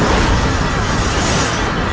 jangan berani kurang ajar padaku